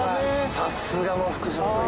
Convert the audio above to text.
さすがの福島さん